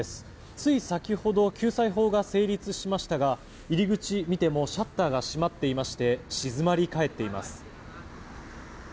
つい先ほど救済法が成立しましたが入り口を見てもシャッターが閉まっていまして静まり返っています。